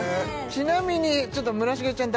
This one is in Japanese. ちなみにちょっと村重ちゃん